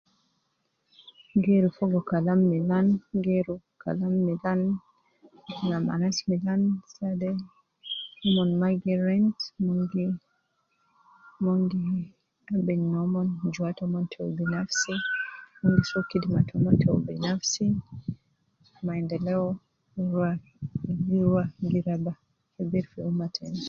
Geeru fogo Kalam Milan geeru Kalam Milan Kalam anas Milan saade Mon maa gi rent, Mon gi gen fi juwaa taumon te binafsi Mon so kidima taumon ta binafsi mandeleo gi ruwa g raiba fi bee fi ummah.